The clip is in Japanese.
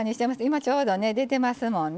今ちょうどね出てますもんね。